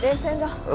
để em xem cho